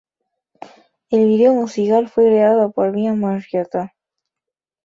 El video musical fue creado por Bam Margera.